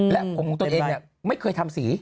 และตนเองไม่เคยทำสี